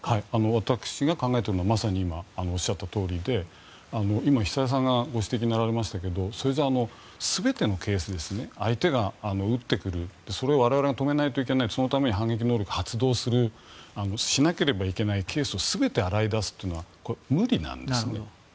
私が考えているのはまさにおっしゃったとおりで今、久江さんがご指摘になられましたがそれじゃあ全てのケース相手が撃ってくるそれが我々が止めないといけないそのために反撃能力を発動しなければならないケースを全て洗い出すのは無理なんですね。